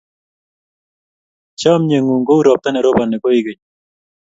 Chomye ng'ung' kou ropta ne roponi koigeny.